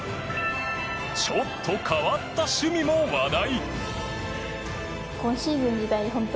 ちょっと変わった趣味も話題。